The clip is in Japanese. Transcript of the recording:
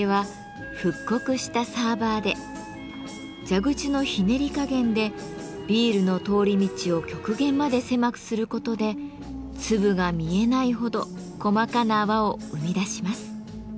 蛇口のひねり加減でビールの通り道を極限まで狭くすることで粒が見えないほど細かな泡を生み出します。